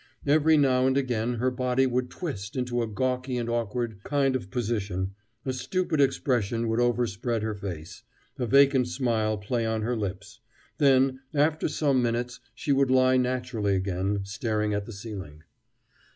Every now and again her body would twist into a gawky and awkward kind of position, a stupid expression would overspread her face, a vacant smile play on her lips; then, after some minutes, she would lie naturally again, staring at the ceiling.